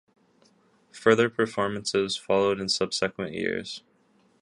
Further performances followed in subsequent years.